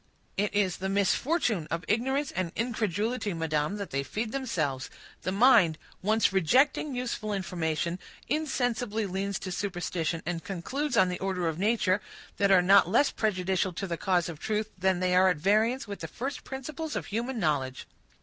"It is the misfortune of ignorance and incredulity, madam, that they feed themselves. The mind, once rejecting useful information, insensibly leans to superstition and conclusions on the order of nature, that are not less prejudicial to the cause of truth, than they are at variance with the first principles of human knowledge."